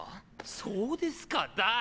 「そうですか？」だぁ？？